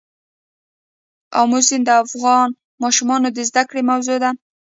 آمو سیند د افغان ماشومانو د زده کړې موضوع ده.